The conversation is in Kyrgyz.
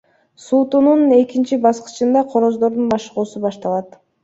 Суутуунун экинчи баскычында короздордун машыгуусу башталат.